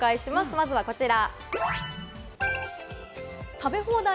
まずはこちら。